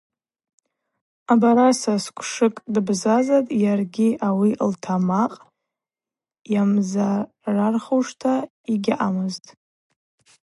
Абараса сквшыкӏ дбзазатӏ, йаргьи ауи лтамакъ йамзарархушта йгьаъамызтӏ.